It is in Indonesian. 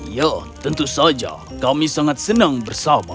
ya tentu saja kami sangat senang bersama